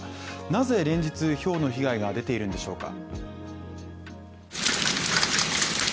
なぜ連日ひょうの被害が出ているんでしょうか？